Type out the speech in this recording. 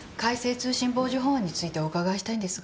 通信傍受法案についてお伺いしたいんですが。